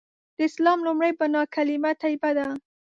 د اسلام لومړۍ بناء کلیمه طیبه ده.